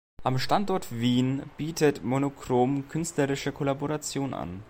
Am Standort Wien bietet monochrom künstlerische Kollaboration an.